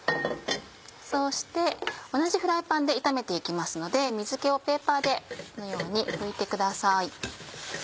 そして同じフライパンで炒めて行きますので水気をペーパーでこのように拭いてください。